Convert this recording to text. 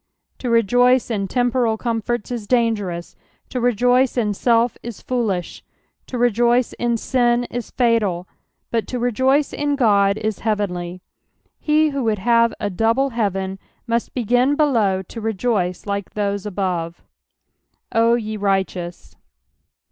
To rejoice in temporal comforts is dangerous, to rejui^in self is foolisli, to rejoice in sin is falsi, but to rejoice in God is heavenly. ^He who would have a double heaven must begin below to rejoice like those abovu "0 ye righteous."